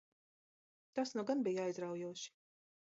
Tas nu gan bija aizraujoši!